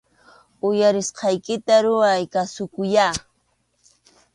Uyarisqaykita ruray, kasukuyyá